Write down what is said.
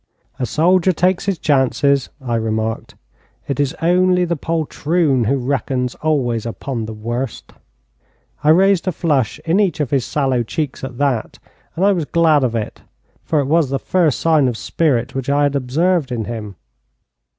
'A soldier takes his chances,' I remarked. 'It is only the poltroon who reckons always upon the worst.' I raised a flush in each of his sallow cheeks at that, and I was glad of it, for it was the first sign of spirit which I had ever observed in him.